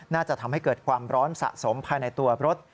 น่าจะทำให้เกิดความร้อนสะสมภายในตัวรถ